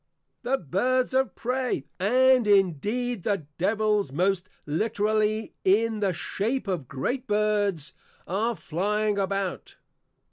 The Birds of prey (and indeed the Devils most literally in the shape of great Birds!) are flying about.